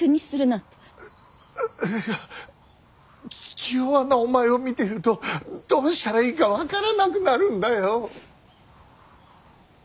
いや気弱なお前を見ているとどうしたらいいか分からなくなるんだよ。